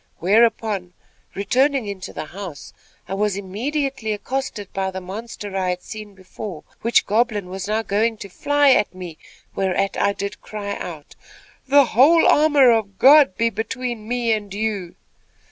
Whereupon, returning into the house, I was immediately accosted by the monster I had seen before, which goblin was now going to fly at me; whereat I did cry out: "'The whole armor of God be between me and you!'